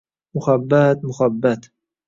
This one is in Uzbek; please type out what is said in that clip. Muhabbat, muhabbat…